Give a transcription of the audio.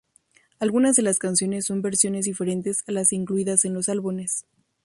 Algunas de las canciones son versiones diferentes a las incluidas en los álbumes.